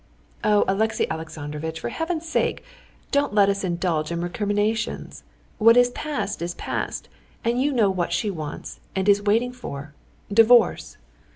"Oh, Alexey Alexandrovitch, for heaven's sake, don't let us indulge in recriminations! What is past is past, and you know what she wants and is waiting for—divorce."